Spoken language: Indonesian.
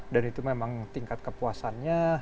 dan itu memang tingkat kepuasannya